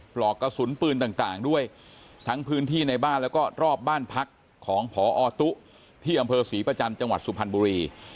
ปลอกกระสุนปืนต่างด้วยทั้งพื้นที่ในบ้านแล้วก็รอบบ้านพักของพอตุ๊ที่อำเภอศรีประจันทร์จังหวัดสุพรรณบุรี